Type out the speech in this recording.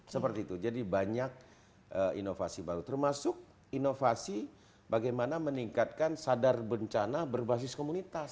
seperti itu jadi banyak inovasi baru termasuk inovasi bagaimana meningkatkan sadar bencana berbasis komunitas